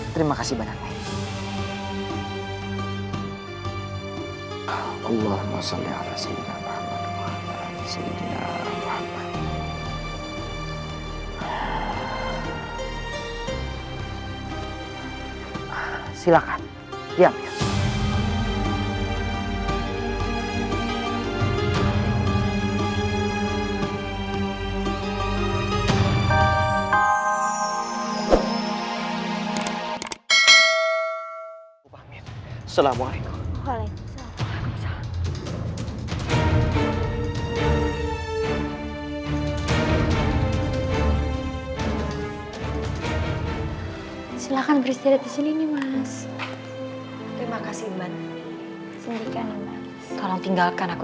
terima kasih banyak